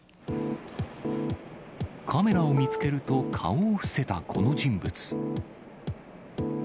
カメラを見つけると、顔を伏せたこの人物。